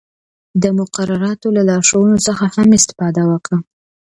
د مقرراتو له لارښوونو څخه هم استفاده وکړئ.